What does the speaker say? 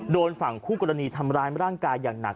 โดนฝั่งคู่กรณีทำร้ายร่างกายอย่างหนัก